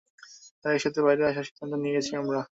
তাই একসাথে বাইরে আসার সিদ্ধান্ত নিয়েছি আমরা।